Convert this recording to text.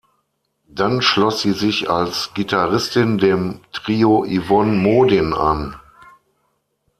Dann schloss sie sich als Gitarristin dem "Trio Yvonne Modin" an.